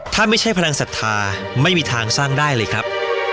ถ้าไม่ใช่พลังศรัทธาไม่มีทางสร้างได้เลยครับ